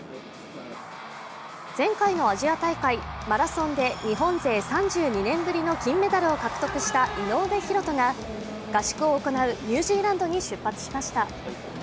前回のアジア大会、マラソンで日本勢３２年ぶりの金メダルを獲得した井上大仁が合宿を行うニュージーランドに出発しました。